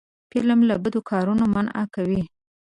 فلم له بدو کارونو منع کوي